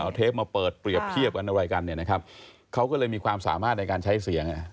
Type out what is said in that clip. เอาเทปมาเปิดเปรียบเทียบกันอะไรกันเนี่ยนะครับเขาก็เลยมีความสามารถในการใช้เสียง